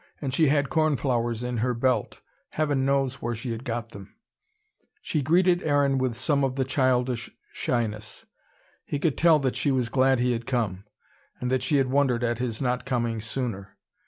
And she had cornflowers in her belt: heaven knows where she had got them. She greeted Aaron with some of the childish shyness. He could tell that she was glad he had come, and that she had wondered at his not coming sooner.